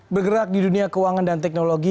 bergerak di dunia keuangan dan teknologi